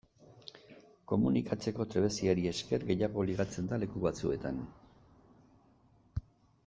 Komunikatzeko trebeziari esker gehiago ligatzen da leku batzuetan.